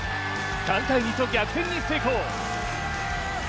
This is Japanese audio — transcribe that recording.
３−２と逆転に成功。